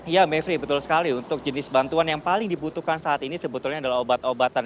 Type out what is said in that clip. ya mevri betul sekali untuk jenis bantuan yang paling dibutuhkan saat ini sebetulnya adalah obat obatan